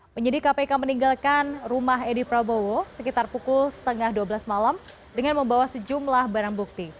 penyidik kpk meninggalkan rumah edi prabowo sekitar pukul setengah dua belas malam dengan membawa sejumlah barang bukti